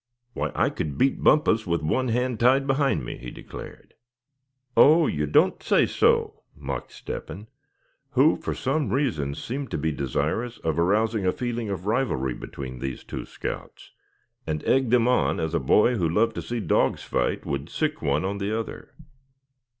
"Why, I could beat Bumpus with one hand tied behind me!" he declared. "Oh! you don't say so?" mocked Step hen, who for some reason seemed desirous of arousing the feeling of rivalry between these two scouts, and egged them on as a boy who loved to see dogs fight, would sick one on the other.